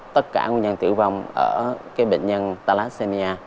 tất cả nguyên nhân tử vong ở cái bệnh nhân thalassemia